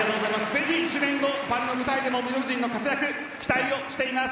ぜひパリの舞台でもミドル陣の活躍、期待しています